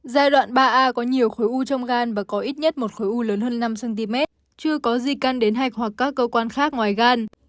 giai đoạn ba a có nhiều khối u trong gan và có ít nhất một khối u lớn hơn năm cm chưa có di căn đến hạch hoặc các cơ quan khác ngoài gan